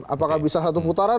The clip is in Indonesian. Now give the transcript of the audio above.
apakah bisa satu putaran